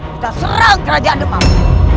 kita serang kerajaan jemaah